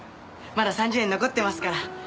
まだ３０円残ってますから。